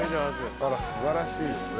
あら素晴らしいですね。